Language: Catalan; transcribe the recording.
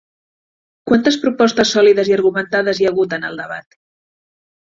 Quantes propostes sòlides i argumentades hi ha hagut en el debat?